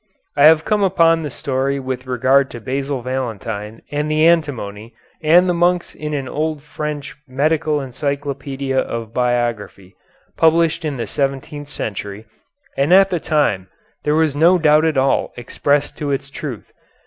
I have come upon the story with regard to Basil Valentine and the antimony and the monks in an old French medical encyclopedia of biography, published in the seventeenth century, and at that time there was no doubt at all expressed as to its truth.